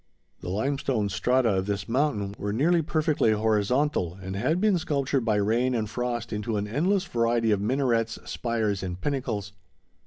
The limestone strata of this mountain were nearly perfectly horizontal, and had been sculptured by rain and frost into an endless variety of minarets, spires, and pinnacles.